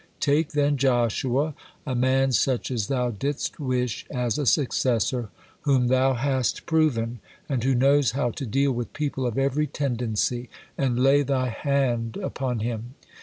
Take then Joshua, a man such as thou didst wish as a successor, whom thou hast proven, and who knows how to deal with people of every tendency, 'and lay thy hand upon him.'